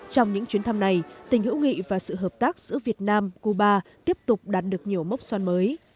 trong những chuyến thăm này tình hữu nghị và sự hợp tác giữa việt nam cuba tiếp tục đạt được nhiều mốc son mới